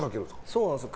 そうなんですよ。